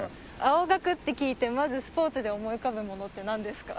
青学って聞いてまずスポーツで思い浮かぶものってなんですか？